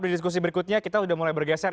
di diskusi berikutnya kita sudah mulai bergeser